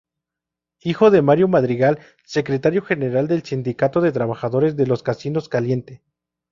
Hijo de Mario Madrigal, secretario general del sindicato de trabajadores de los casinos Caliente.